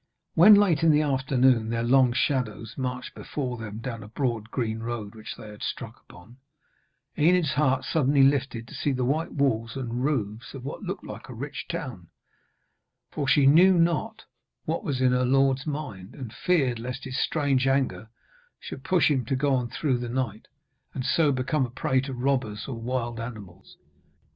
When, late in the afternoon, their long shadows marched before them down a broad green road which they had struck upon, Enid's heart suddenly lifted to see the white walls and roofs of what looked like a rich town; for she knew not what was in her lord's mind, and feared lest his strange anger should push him to go on through the night, and so become a prey to robbers or wild animals.